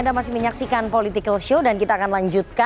ramah selu yang ditukar parar rudy